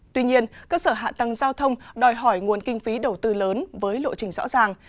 tuy nhiên cơ sở hạ tầng giao thông đòi hỏi nguồn kinh phí đầu tư lớn với lộ trình rõ ràng